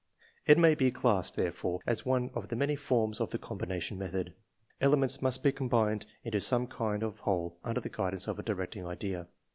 It may be classed, therefore, as one of the many forms of the " combination method." Elements must be combined into some kind of whole under the guidance of a directing idea.